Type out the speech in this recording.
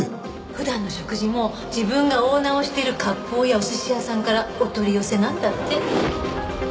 普段の食事も自分がオーナーをしてる割烹やお寿司屋さんからお取り寄せなんだって。